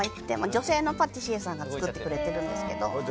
女性のパティシエさんが作ってくれているんですけど。